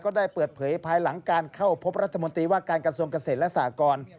ได้เปิดเผยภายหลังการเข้าพบรัฐมนตรีว่าการกระทรวงเกษตรและสากร